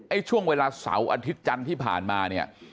ช่วงเวลาเสาร์อาทิตย์จันทร์ที่ผ่านมาเนี่ย